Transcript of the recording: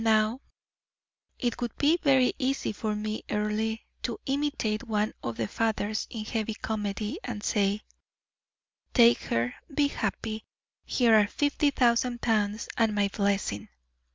Now, it would be very easy for me, Earle, to imitate one of the fathers in heavy comedy, and say: 'Take her be happy; here are fifty thousand pounds and my blessing.'